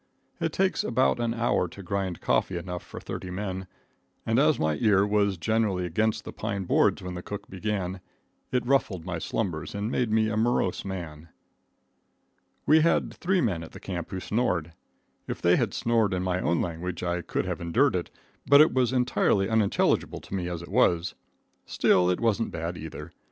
It takes about an hour to grind coffee enough for thirty men, and as my ear was generally against the pine boards when the cook began, it ruffled my slumbers and made me a morose man. We had three men at the camp who snored. If they had snored in my own language I could have endured it, but it was entirely unintelligible to me as it was. Still, it wasn't bad either.